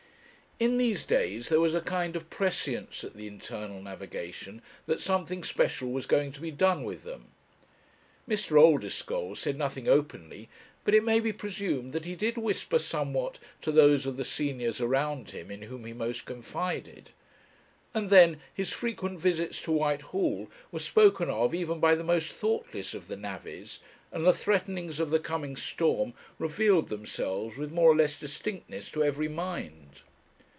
In these days there was a kind of prescience at the Internal Navigation that something special was going to be done with them. Mr. Oldeschole said nothing openly; but it may be presumed that he did whisper somewhat to those of the seniors around him in whom he most confided. And then, his frequent visits to Whitehall were spoken of even by the most thoughtless of the navvies, and the threatenings of the coming storm revealed themselves with more or less distinctness to every mind.